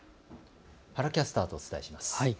原キャスターとお伝えします。